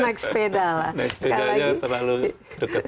naik sepeda aja terlalu deket